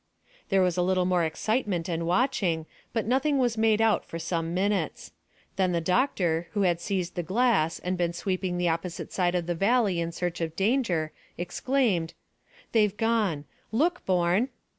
There was a little more excitement and watching, but nothing was made out for some minutes. Then the doctor, who had seized the glass and been sweeping the opposite side of the valley in search of danger, exclaimed "They've gone. Look, Bourne."